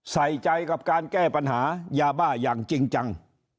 ใส่ใจกับการแก้ปัญหายาบ้าอย่างจริงจัง